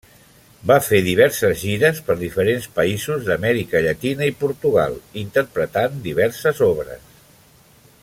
Va fer diverses gires per diferents països d'Amèrica Llatina i Portugal, interpretant diverses obres.